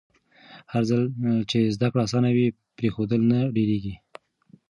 هرځل چې زده کړه اسانه وي، پرېښودل نه ډېرېږي.